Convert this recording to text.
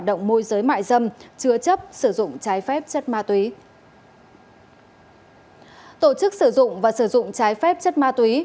tổ chức sử dụng và sử dụng trái phép chất ma túy